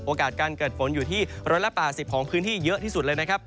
การเกิดฝนอยู่ที่๑๘๐ของพื้นที่เยอะที่สุดเลยนะครับ